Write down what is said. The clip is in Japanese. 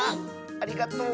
ありがとう！